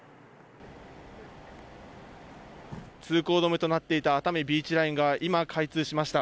通行止めとなっていた熱海ビーチラインが今、開通しました。